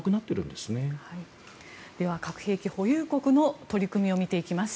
では核兵器保有国の取り組みを見ていきます。